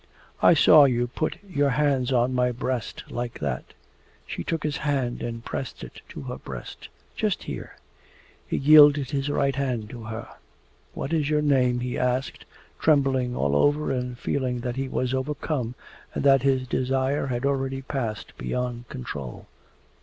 'I saw you put your hands on my breast like that.' She took his hand and pressed it to her breast. 'Just here.' He yielded his right hand to her. 'What is your name?' he asked, trembling all over and feeling that he was overcome and that his desire had already passed beyond control.